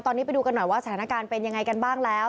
ตอนนี้ไปดูกันหน่อยว่าสถานการณ์เป็นยังไงกันบ้างแล้ว